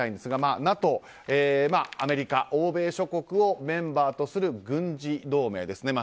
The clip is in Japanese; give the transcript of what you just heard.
ＮＡＴＯはアメリカや欧米諸国をメンバーとする軍事同盟です。